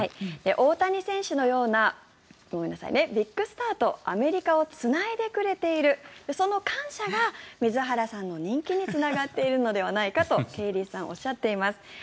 大谷選手のようなビッグスターとアメリカをつないでくれているその感謝が水原さんの人気につながっているのではないかとケイリーさんはおっしゃっています。